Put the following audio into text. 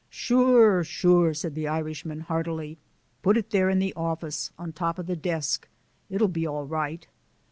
"Sure, sure," said the Irishman heartily. "Put it there in the office on top o' the desk. It'll be all right."